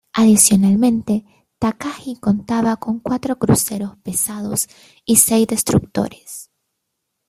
Adicionalmente, Takagi contaba con cuatro cruceros pesados y seis destructores.